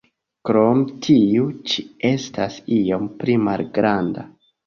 Krome tiu ĉi estas iom pli malgranda.